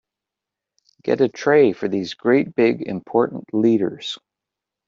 Get a tray for these great big important leaders.